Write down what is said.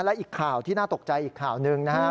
และอีกข่าวที่น่าตกใจอีกข่าวหนึ่งนะครับ